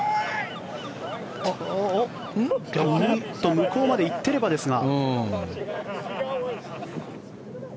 向こうまで行っていればですが。